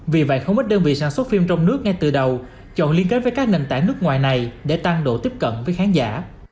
vì vậy không ít đơn vị sản xuất phim trong nước ngay từ đầu chọn liên kết với các nền tảng nước ngoài này để tăng độ tiếp cận với khán giả